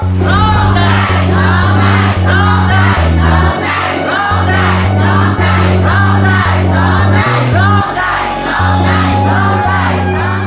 ร้องได้